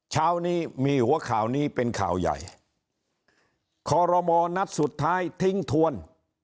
เช้านี้มีหัวข่าวนี้เป็นข่าวใหญ่คอรมอนัดสุดท้ายทิ้งทวน